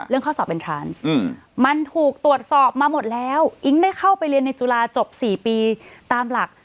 ข้อสอบเป็นทรานมันถูกตรวจสอบมาหมดแล้วอิ๊งได้เข้าไปเรียนในจุฬาจบ๔ปีตามหลัก